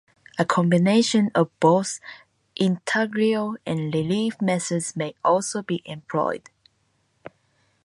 A combination of both intaglio and relief methods may also be employed.